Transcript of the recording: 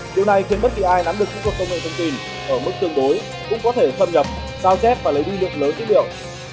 điều này khiến bất kỳ ai nắm được những cuộc công nghệ thông tin ở mức tương đối cũng có thể phâm nhập sao chép và lấy đi lực lớn dữ liệu